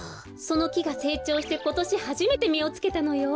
そのきがせいちょうしてことしはじめてみをつけたのよ。